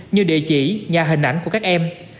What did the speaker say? như địa chỉ nhà hình ảnh của các em